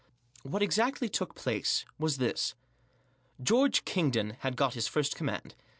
What exactly took place was this. George Kingdon had got his first command.